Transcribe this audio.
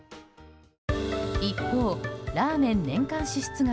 一方、ラーメン年間支出額